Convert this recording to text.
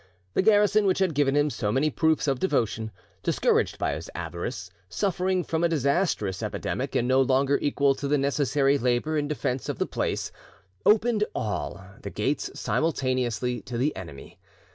The garrison which had given him so many proofs of devotion, discouraged by his avarice, suffering from a disastrous epidemic, and no longer equal to the necessary labour in defence of the place, opened all, the gates simultaneously to the enemy.